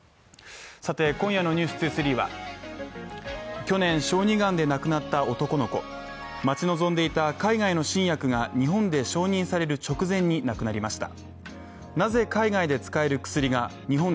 さて、今夜の「ｎｅｗｓ２３」は去年、小児がんで亡くなった男の子待ち望んでいた海外の新薬が日本で承認される直前に亡くなりまし